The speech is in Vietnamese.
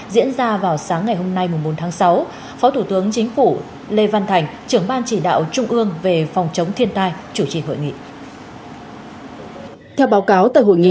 diễn ra vào sáng ngày hôm nay bốn tháng sáu phó thủ tướng chính phủ lê văn thành trưởng ban chỉ đạo trung ương về phòng chống thiên tai chủ trì hội nghị